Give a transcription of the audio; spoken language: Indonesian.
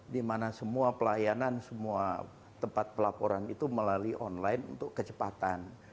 dimana semua pelayanan semua tempat pelaporan itu melalui online untuk kecepatan